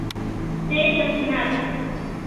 — Тый кертынат...